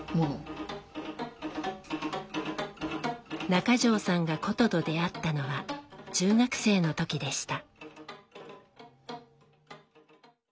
中条さんが箏と出会ったのは中学生の時でした。